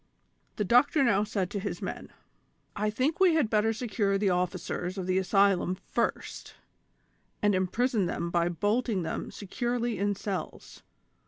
The doctor now said to his men : "I think we had bptter secure the officers of the asylum first, and imprison them by bolting them securely in cells, THE CONSPIRATORS AND LOVERS.